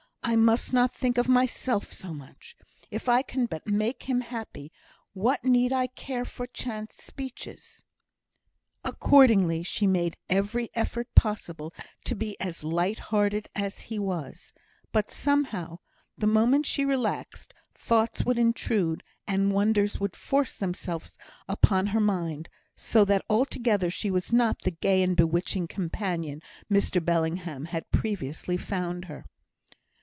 I must not think of myself so much. If I can but make him happy, what need I care for chance speeches?" Accordingly, she made every effort possible to be as light hearted as he was; but, somehow, the moment she relaxed, thoughts would intrude, and wonders would force themselves upon her mind; so that altogether she was not the gay and bewitching companion Mr Bellingham had previously found her.